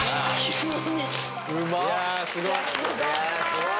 すごい！